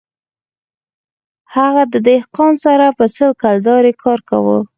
هغه د دهقان سره په سل کلدارې کار کاوه